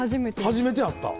初めて会った。